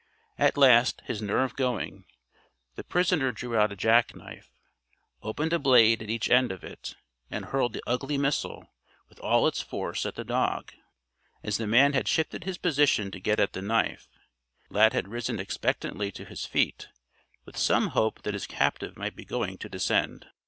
At last, his nerve going, the prisoner drew out a jackknife, opened a blade at each end of it and hurled the ugly missile with all his force at the dog. As the man had shifted his position to get at the knife, Lad had risen expectantly to his feet with some hope that his captive might be going to descend.